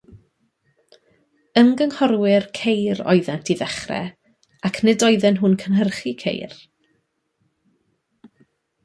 Ymgynghorwyr ceir oeddent i ddechrau, ac nid oedden nhw'n cynhyrchu ceir.